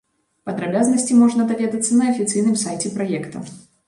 Падрабязнасці можна даведацца на афіцыйным сайце праекта.